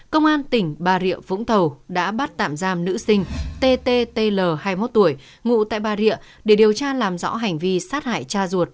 công an tỉnh bà rịa vũng tàu đã bắt tạm giam nữ sinh ttl hai mươi một tuổi ngụ tại bà rịa để điều tra làm rõ hành vi sát hại cha ruột